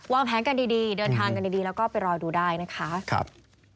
แผนกันดีเดินทางกันดีแล้วก็ไปรอดูได้นะคะ